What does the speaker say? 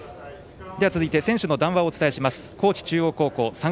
続いて選手の談話をお伝えします。